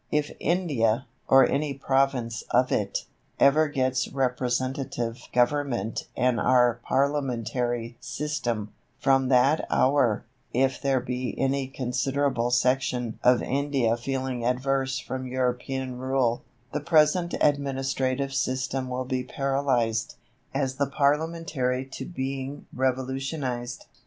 If India, or any province of it, ever gets representative government and our parliamentary system, from that hour, if there be any considerable section of Indian feeling averse from European rule, the present administrative system will be paralyzed, as the preliminary to being revolutionized.